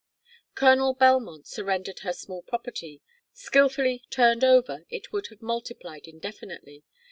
Colonel Belmont surrendered her small property. Skilfully "turned over" it would have multiplied indefinitely.